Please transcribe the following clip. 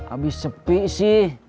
abis sepi sih